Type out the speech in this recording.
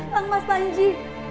kang mas panji